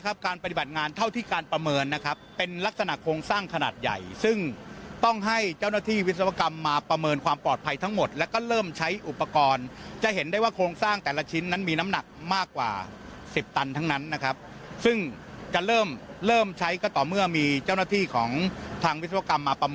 การปฏิบัติงานเท่าที่การประเมินนะครับเป็นลักษณะโครงสร้างขนาดใหญ่ซึ่งต้องให้เจ้าหน้าที่วิศวกรรมมาประเมินความปลอดภัยทั้งหมดแล้วก็เริ่มใช้อุปกรณ์จะเห็นได้ว่าโครงสร้างแต่ละชิ้นนั้นมีน้ำหนักมากกว่าสิบตันทั้งนั้นนะครับซึ่งจะเริ่มเริ่มใช้ก็ต่อเมื่อมีเจ้าหน้าที่ของทางวิศวกรรมมาประ